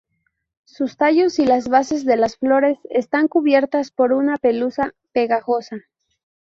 Sus tallos y las bases de las flores están cubiertas por una pelusa pegajosa.